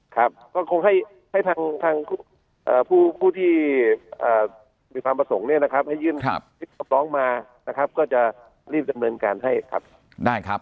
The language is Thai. ครับก็คงให้ทางผู้ที่มีความประสงค์ให้ยื่นพิกษาปล้องมาก็จะรีบดำเนินการให้ครับ